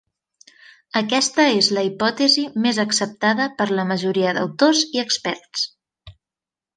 Aquesta és la hipòtesi més acceptada per la majoria d'autors i experts.